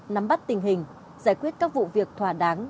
nắm bắt tình hình giải quyết các vụ việc thỏa đáng